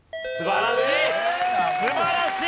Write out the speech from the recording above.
素晴らしい！